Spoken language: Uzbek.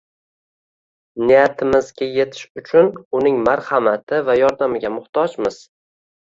Niyatimizga yetish uchun uning marhamati va yordamiga muhtojmiz